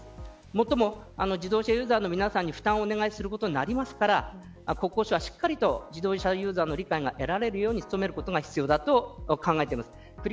最も、自動車ユーザーの皆さまに負担をお願いすることになりますから国交省はしっかりと自動車ユーザーの理解が得られるように努めることが必要だと考えます。